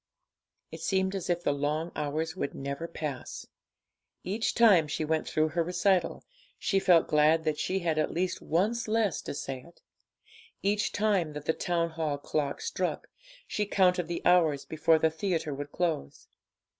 It seemed as if the long hours would never pass away. Each time she went through her recital, she felt glad that she had at least once less to say it. Each time that the Town Hall clock struck, she counted the hours before the theatre would close.